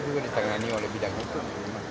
juga ditangani oleh bidang hukum